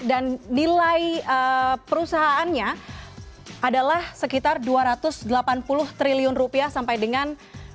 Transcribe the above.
dan nilai perusahaannya adalah sekitar dua ratus delapan puluh triliun rupiah sampai dengan dua ribu delapan belas